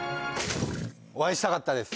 お会いしたかったです